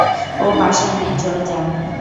ও বাসায় নাই, চলে যান।